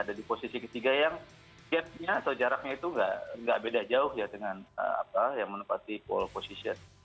ada di posisi ketiga yang gapnya atau jaraknya itu nggak beda jauh ya dengan yang menempati pole position